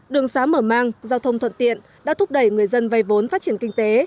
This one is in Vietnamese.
đường xá mở mang giao thông thuận tiện đã thúc đẩy người dân vay vốn phát triển kinh tế